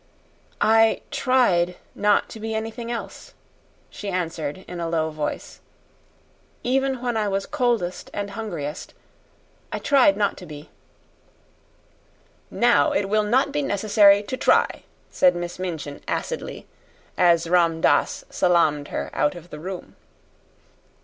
"I TRIED not to be anything else," she answered in a low voice "even when I was coldest and hungriest I tried not to be." "Now it will not be necessary to try," said Miss Minchin, acidly, as Ram Dass salaamed her out of the room.